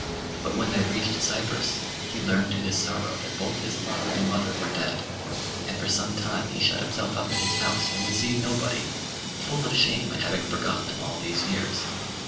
But when they reached Cyprus, he learned to his sorrow that both his father and mother were dead, and for some time he shut himself up in his house and would see nobody, full of shame at having forgotten them all these years.